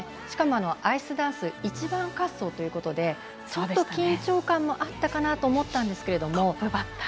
しかも、アイスダンス１番滑走ということでちょっと緊張感もあったかなと思ったんですが。